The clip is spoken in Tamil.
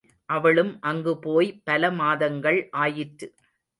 அவளும் அங்கு போய் பல மாதங்கள் ஆயிற்று.